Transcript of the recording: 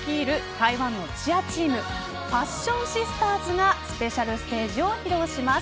台湾のチアチームパッションシスターズがスペシャルステージを披露します。